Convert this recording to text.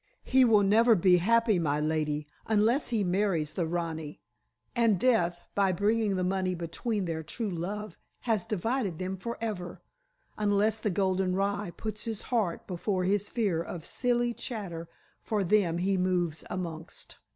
"He will never be happy, my lady, unless he marries the rani. And death, by bringing the money between their true love, has divided them forever, unless the golden rye puts his heart before his fear of silly chatter for them he moves amongst.